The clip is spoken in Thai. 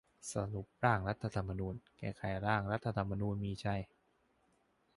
สรุปร่างรัฐธรรมนูญ : แก้ไขร่างรัฐธรรมนูญมีชัย